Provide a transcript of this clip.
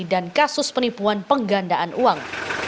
dan kasus penipuan penggandaan uang